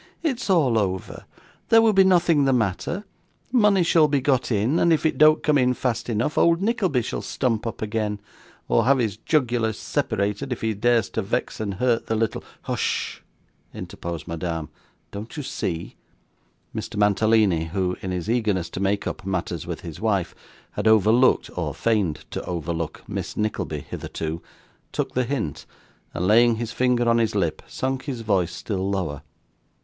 'It is all over; there will be nothing the matter; money shall be got in; and if it don't come in fast enough, old Nickleby shall stump up again, or have his jugular separated if he dares to vex and hurt the little ' 'Hush!' interposed Madame. 'Don't you see?' Mr. Mantalini, who, in his eagerness to make up matters with his wife, had overlooked, or feigned to overlook, Miss Nickleby hitherto, took the hint, and laying his finger on his lip, sunk his voice still lower.